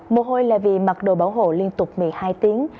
mồ hôi là vì mặc đồ bảo hộ liên tục một mươi hai tiếng